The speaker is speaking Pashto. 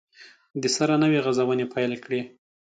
دسره نوي غزونې پیل کړي